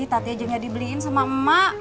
tati aja dibeliin sama emak